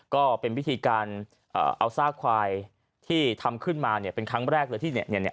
ก็เป็นวิธีการเอาซากควายที่ทำขึ้นมาเนี่ยเป็นครั้งแรกเลยที่เนี่ย